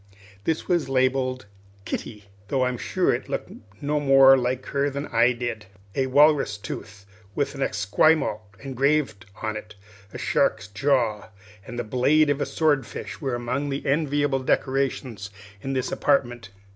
This was labelled "Kitty," though I'm sure it looked no more like her than I did. A walrus tooth with an Esquimaux engraved on it, a shark's jaw, and the blade of a sword fish were among the enviable decorations of this apartment.